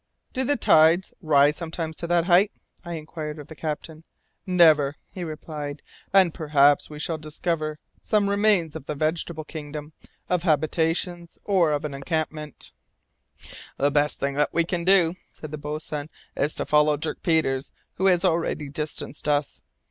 "Do the tides rise sometimes to that height?" I inquired of the captain. [Illustration: The half breed in the crow's nest.] "Never," he replied, "and perhaps we shall discover some remains of the vegetable kingdom, of habitations, or of an encampment." "The best thing we can do," said the boatswain, "is to follow Dirk Peters, who has already distanced us.